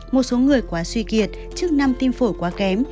một số người quá suy kiệt trước năm tim phổi quá kém